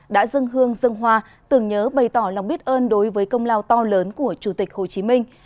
đã dân hương dân hoa tưởng nhớ bày tỏ lòng biết ơn đối với công lao to lớn của chủ tịch hồ chí minh